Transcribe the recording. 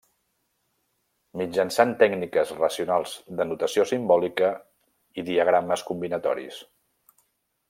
Mitjançant tècniques racionals de notació simbòlica i diagrames combinatoris.